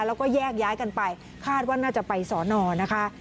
แล้วก็แยกย้ายกันไปคาดว่าน่าจะไปสอนอนะคะ